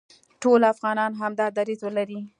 ټول افغانان همدا دریځ ولري،